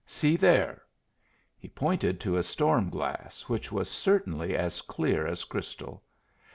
See there." He pointed to a storm glass, which was certainly as clear as crystal.